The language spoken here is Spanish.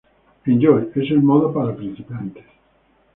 Enjoy: Es el modo para principiantes.